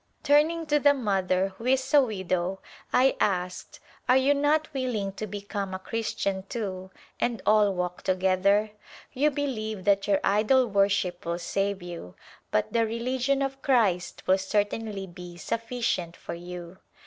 Turning to the mother, who is a widow, I asked, " Are you not willing to become a Christian, too, and all walk together ? You believe that your idol worship will save you, but the religion of Christ will Busy Days certainly be sufficient for you."